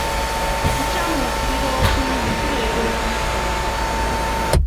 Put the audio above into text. Okucamuukirira okungi kuleeta okunakuwala.